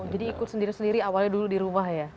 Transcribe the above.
jadi ikut sendiri sendiri awalnya dulu di rumah ya